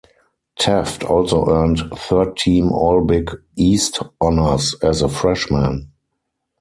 Taft also earned Third Team All Big East Honors as a Freshman.